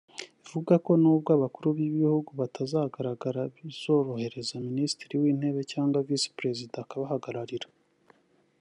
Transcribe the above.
bivuga ko nubwo abakuru b’ibihugu batazagaragara bizohereza Minisitiri w’intebe cyangwa Visi Perezida akabahagararira